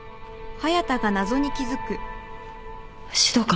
指導官。